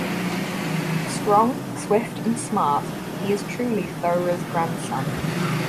Strong, swift and smart, he is truly Thowra's grandson.